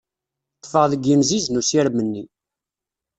Ṭṭfeɣ deg yinziz n usirem-nni.